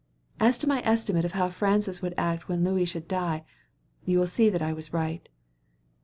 As to my estimate of how Francis would act when Louis should die, you will see that I was right.